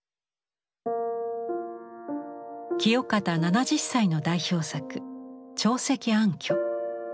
清方７０歳の代表作「朝夕安居」。